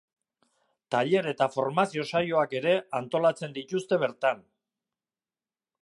Tailer eta formazio saioak ere antolatzen dituzte bertan.